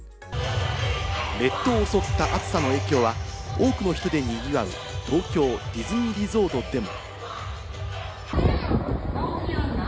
列島を襲った暑さの影響は多くの人で賑わう東京ディズニーリゾートでも。